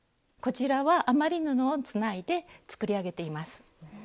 こちらは余り布をつないで作り上げています。